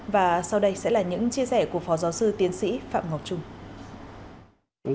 và sau đây sẽ là những chia sẻ của phó giáo sư tiến sĩ phạm ngọc trung